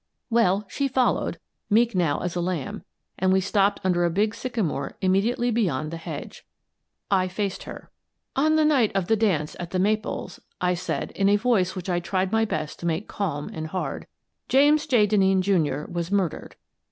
Well, she followed, meek now as a lamb, and we stopped under a big sycamore immediately beyond the hedge. I faced her. " On the night of the dance at * The Maples/ " I said in a voice which I tried my best to make calm and hard, " James J. Denneen, Jr., was murdered.